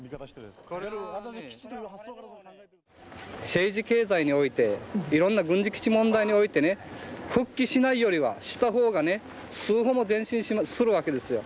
政治経済においていろんな軍事基地問題においてね復帰しないよりはした方がね数歩も前進するわけですよ。